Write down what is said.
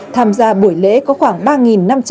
tham gia buổi lễ có khoảng ba năm